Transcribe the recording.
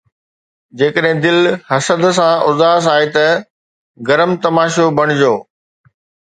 جيڪڏهن دل حسد سان اُداس آهي ته گرم تماشو بڻجو